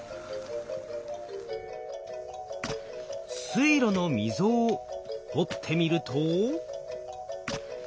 水路の溝を掘ってみると。